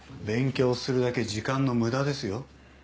勉強するだけ時間の無駄ですよ。